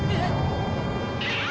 あっ！